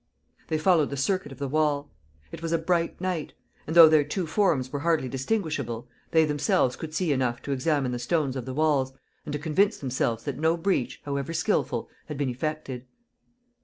They followed the circuit of the wall. It was a bright night; and, though their two forms were hardly distinguishable, they themselves could see enough to examine the stones of the walls and to convince themselves that no breach, however skilful, had been effected.